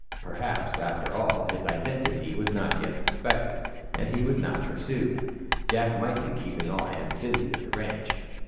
Perhaps, after all, his identity was not yet suspected and he was not pursued. Jack might be keeping all hands busy at the ranch.